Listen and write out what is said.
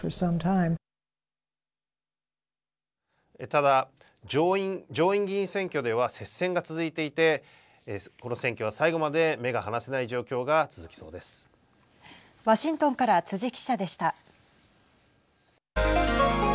ただ、上院議員選挙では接戦が続いていてこの選挙は最後まで目が離せない状況がワシントンから辻記者でした。